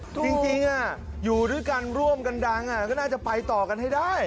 จริงอยู่ด้วยกันร่วมกันดังก็น่าจะไปต่อกันให้ได้